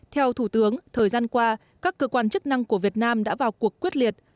theo thủ tướng thời gian qua các cơ quan chức năng của việt nam đã vào cuộc quyết liệt